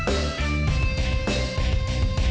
ada suster ya